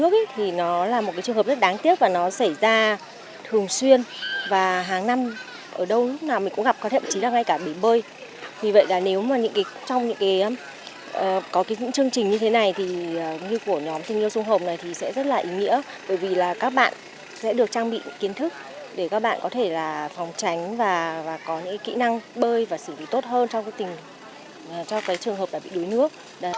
phòng tránh và có những kỹ năng bơi và xử lý tốt hơn trong trường hợp bị đuối nước